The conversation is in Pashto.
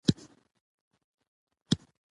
واوره په څپه او خج کې توپیر نه لري.